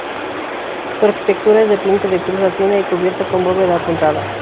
Su arquitectura es de planta de cruz latina y cubierta con bóveda apuntada.